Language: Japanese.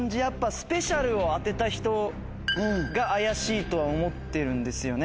スペシャルメニューを当てた人が怪しいとは思ってるんですよね。